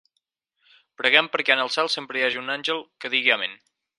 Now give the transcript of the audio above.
Preguem perquè en el cel sempre hi hagi un àngel que digui amén.